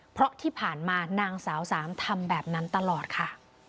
เพราะที่ผ่านมานางสาวสามทำแบบนั้นตลอดค่ะ